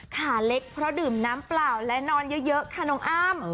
ขาเล็กเพราะดื่มน้ำเปล่าและนอนเยอะค่ะน้องอ้ำ